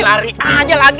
lari aja lagi ah